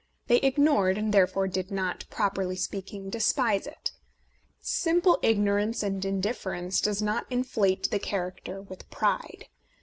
They ignored, and therefore did not, properly speaking, despise it. Simple ignorance and indifference does not inflate the character with pride.